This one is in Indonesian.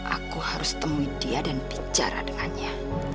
aku harus temui dia dan bicara dengannya